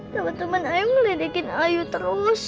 teman teman ayu meledekin ayu terus